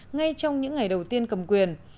ngay trong những ngày đầu tiên cầm quyền